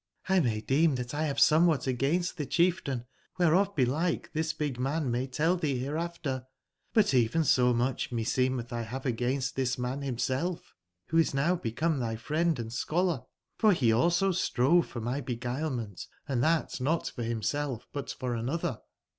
1 may deem that 1 have somewhat against the chieftain, whereof belike this big man may tell thee hereafter; bu t even somuchmeseemeththaveagainst this man himself, who is now become thy friend and scholar; for he also strove for my beguilement, and that not for himself, but for another."